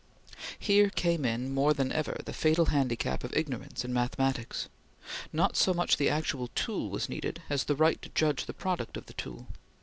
Here came in, more than ever, the fatal handicap of ignorance in mathematics. Not so much the actual tool was needed, as the right to judge the product of the tool.